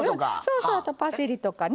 あとパセリとかね